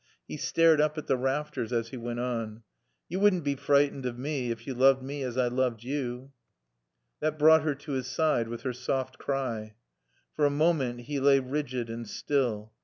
He stared up at the rafters as he went on. "Yo wouldn't bae freetened o' mae ef yo looved mae as I loove yo." That brought her to his side with her soft cry. For a moment he lay rigid and still.